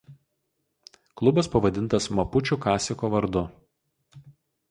Klubas pavadintas mapučių kasiko vardu.